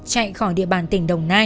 chạy khỏi địa bàn tỉnh đồng nai